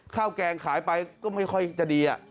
แกงขายไปก็ไม่ค่อยจะดี